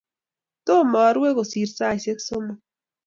tomo arue kosir saisie somok.